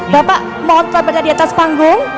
bapak mohon kepada di atas panggung